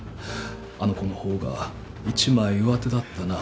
あの子の方が一枚上手だったな